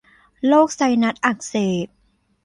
โรคไซนัสอักเสบ